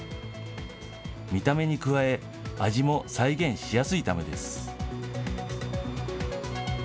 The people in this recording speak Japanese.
見た目に加え、味も再現しやすいためです。